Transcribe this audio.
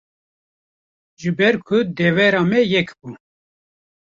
ji ber ku devera me yek bû